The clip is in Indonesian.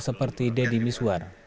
seperti dedy miswar